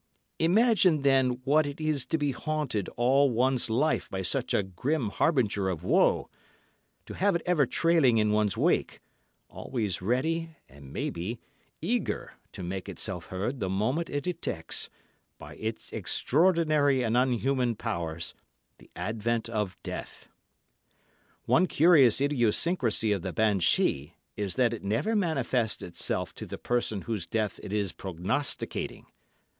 Imagine then what it is to be haunted all one's life by such a grim harbinger of woe, to have it ever trailing in one's wake, always ready and, maybe, eager to make itself heard the moment it detects, by its extraordinary and unhuman powers, the advent of death. One curious idiosyncrasy of the banshee is that it never manifests itself to the person whose death it is prognosticating.